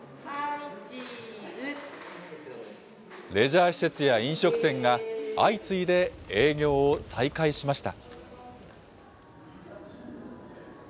レジャー施設や飲食店が相次いで営業を再開しました。